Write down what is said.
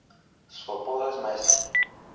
Su apodo es Maestro.